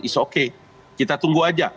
is okay kita tunggu saja